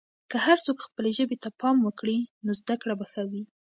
که هر څوک خپلې ژبې ته پام وکړي، نو زده کړه به ښه وي.